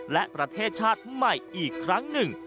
และประเทศชาติใหม่อีกครั้งหนึ่ง